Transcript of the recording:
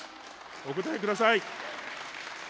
お答えください。